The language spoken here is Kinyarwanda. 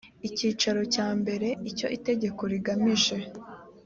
icyiciro cya mbere icyo itegeko rigamije